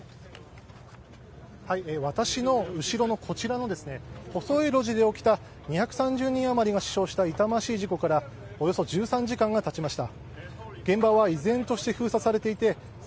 私の後ろのこちらの細い路地で起きた２３０人あまりが死傷した痛ましい事故からおよそ１３時間がたちました。